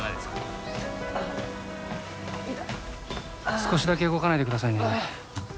少しだけ動かないでくださいね。